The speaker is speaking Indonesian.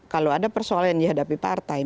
kalau ada persoalan yang dihadapi partai